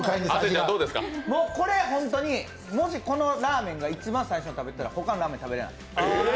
これ、ホントに、もしこのラーメンを一番最初に食べてたら他のラーメン食べれない。